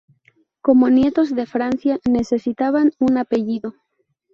Como nietos de Francia, necesitaban un apellido.